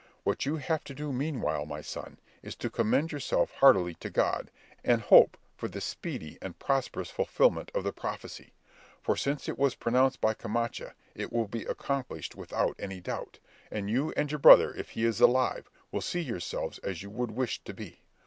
What you have to do meanwhile, my son, is to commend yourself heartily to God, and hope for the speedy and prosperous fulfilment of the prophecy; for since it was pronounced by Camacha it will be accomplished without any doubt, and you and your brother, if he is alive, will see yourselves as you would wish to be.